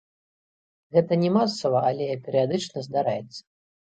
Гэта не масава, але перыядычна здараецца.